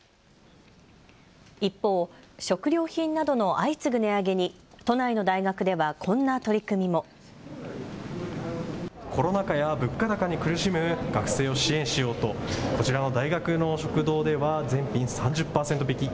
一方、食料品などの相次ぐ値上げに都内の大学ではこんな取り組みも。コロナ禍や物価高に苦しむ学生を支援しようとこちらの大学の食堂では全品３０％引き。